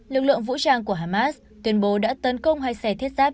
lực lượng vũ trang của hamas tuyên bố đã tấn công hai xe thiết giáp